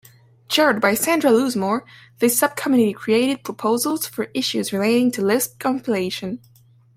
Chaired by Sandra Loosemore, this subcommittee created proposals for issues relating to Lisp compilation.